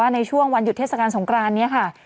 ในช่วงวันหยุดเทศกาลสงครานนี้ค่ะ